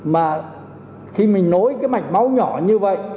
mà khi mình nối cái mạch máu nhỏ như vậy